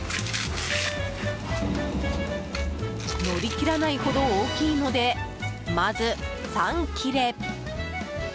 のりきらないほど大きいのでまず３切れ。